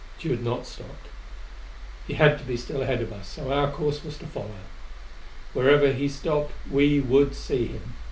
Tugh had not stopped. He had to be still ahead of us, so our course was to follow. Whenever he stopped, we would see him.